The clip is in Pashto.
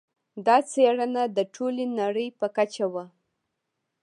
دا څېړنه د ټولې نړۍ په کچه وه.